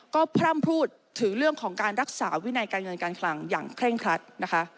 ก็พร่ำพูดถึงเรื่องของการรักษาวินัยการเงินการคลังอย่างเคร่งครัดนะคะ